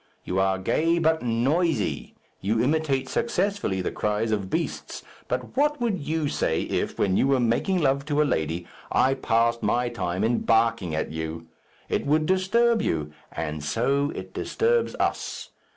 You are gay, but noisy. You imitate successfully the cries of beasts; but what would you say if, when you were making love to a lady, I passed my time in barking at you? It would disturb you, and so it disturbs us.